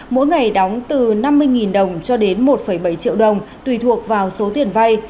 mỗi ngày đóng từ năm mươi đồng cho đến một bảy triệu đồng tùy thuộc vào số tiền vay